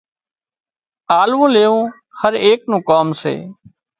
آللون ليوون هر ايڪ نُون ڪام سي